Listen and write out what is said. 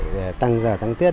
để tăng giờ tăng tiết